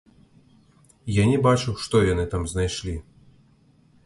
Я не бачыў, што яны там знайшлі.